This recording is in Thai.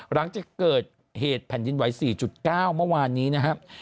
หลังจากเกิดเหตุแผ่นดินไหว๔๙เมื่อวานนี้นะครับ